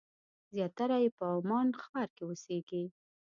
زیاتره یې په عمان ښار کې اوسېږي.